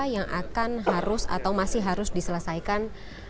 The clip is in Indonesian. yang akan harus atau masih harus diselesaikan